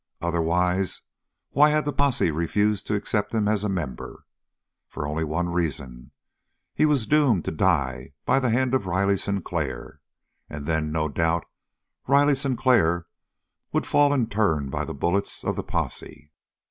Otherwise, why had the posse refused to accept him as a member? For only one reason: He was doomed to die by the hand of Riley Sinclair, and then, no doubt, Riley Sinclair would fall in turn by the bullets of the posse.